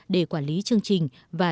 để quản lý chương trình và